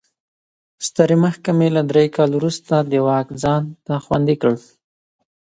سترې محکمې له درې کال وروسته دا واک ځان ته خوندي کړ.